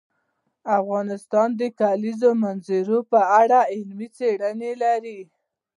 افغانستان د د کلیزو منظره په اړه علمي څېړنې لري.